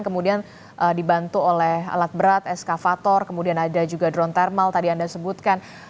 kemudian dibantu oleh alat berat eskavator kemudian ada juga drone thermal tadi anda sebutkan